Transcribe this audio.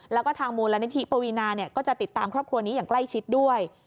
แล้วก็ทางมูลนิธิปวีนาก็จะติดตามครอบครัวนี้อย่างใกล้ชิดด้วย